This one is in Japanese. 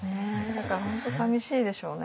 だから本当さみしいでしょうね。